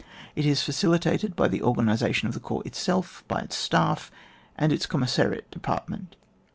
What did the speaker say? It is facilitated by the organisation of the corps itself, by its staff and its com missariat department.